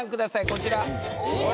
こちら。